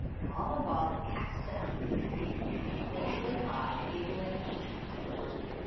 All the while the Cat sat lazily by, giggling and chuckling.